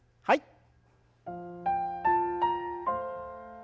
はい。